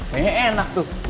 kayaknya enak tuh